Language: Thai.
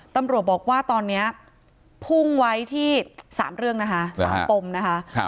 ตำรวจบอกว่าตอนนี้พุ่งไว้ที่๓เรื่องนะคะ๓ปมนะคะ